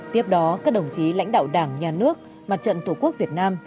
tiếp đó các đồng chí lãnh đạo đảng nhà nước mặt trận tổ quốc việt nam